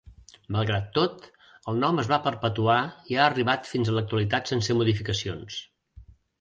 Malgrat tot, el nom es va perpetuar i ha arribat fins a l'actualitat sense modificacions.